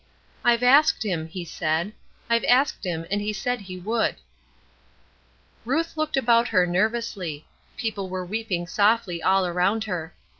'I've asked him,' he said; 'I've asked him, and he said he would.'" Ruth looked about her nervously. People were weeping softly all around her.